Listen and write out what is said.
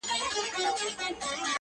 څه مسافره یمه خير دی ته مي ياد يې خو.